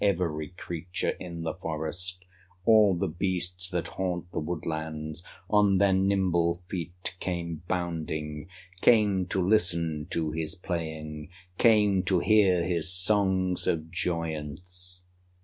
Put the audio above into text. Every creature in the forest, All the beasts that haunt the woodlands, On their nimble feet came bounding, Came to listen to his playing, Came to hear his songs of joyance.